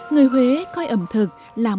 người huế coi ẩm thực